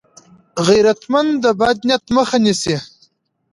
غیرتمند د بد نیت مخه نیسي